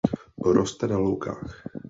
Roste na loukách.